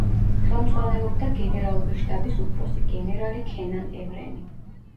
ხელმძღვანელობდა გენერალური შტაბის უფროსი, გენერალი ქენან ევრენი.